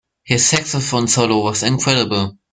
His saxophone solo was incredible.